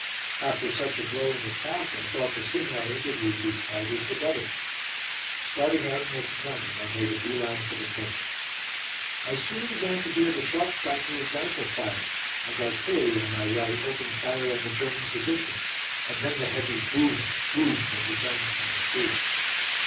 After such a glowing account, I thought the sooner I interviewed these fighters the better. Starting out next morning, I made a bee line for the coast. I soon began to hear the sharp crackle of rifle fire, and artillery on my right opened fire on the German position, and then the heavy boom, boom of the guns from the sea.